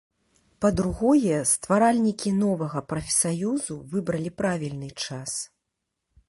Па-другое, стваральнікі новага прафсаюзу выбралі правільны час.